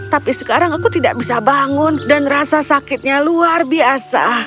tapi sekarang aku tidak bisa bangun dan rasa sakitnya luar biasa